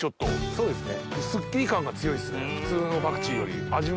そうですね。